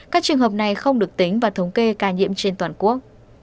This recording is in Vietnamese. các trường hợp này không được tính và thống kê ca nhiễm trên toàn quốc